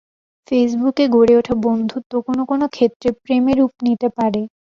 ফেসবুকে গড়ে ওঠা বন্ধুত্ব কোনো কোনো ক্ষেত্রে প্রেমে রূপ নিতে পারে।